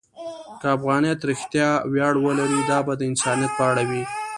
که افغانیت رښتیا ویاړ ولري، دا به د انسانیت په اړه وي.